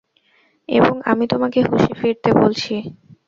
এবং আমি তোমাকে হুশে ফিরতে বলছি।